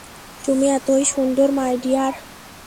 তুমি এতই সুন্দর, মাই ডিয়ার।